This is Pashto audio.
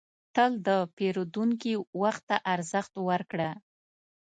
تل د پیرودونکي وخت ته ارزښت ورکړه.